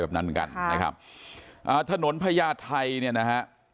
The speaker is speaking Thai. แบบนั้นเหมือนกันนะครับอ่าถนนพญาไทยเนี่ยนะฮะ